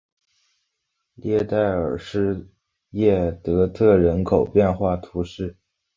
列代尔施耶德特人口变化图示